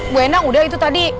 bu endang udah itu tadi